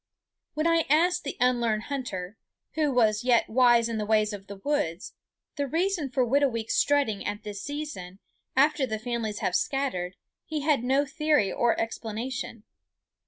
When I asked the unlearned hunter who was yet wise in the ways of the woods the reason for Whitooweek's strutting at this season, after the families have scattered, he had no theory or explanation.